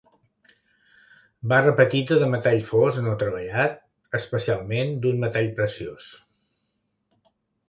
Barra petita de metall fos no treballat, especialment d'un metall preciós.